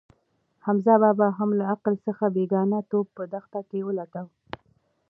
حمزه بابا هم له عقل څخه بېګانه توب په دښته کې لټاوه.